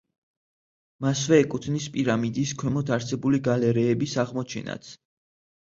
მასვე ეკუთვნის პირამიდის ქვემოთ არსებული გალერეების აღმოჩენაც.